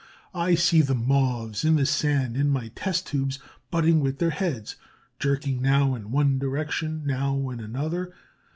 I see the Moths in the sand in my test tubes butting with their heads, jerking now in one direction, now in another.